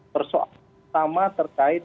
persoalan pertama terkait